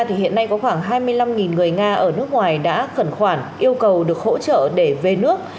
thì hiện nay có khoảng hai mươi năm người nga ở nước ngoài đã khẩn khoản yêu cầu được hỗ trợ để về nước